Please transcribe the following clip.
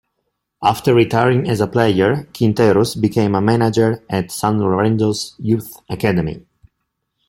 After retiring as a player, Quinteros became a manager at San Lorenzo's youth academy.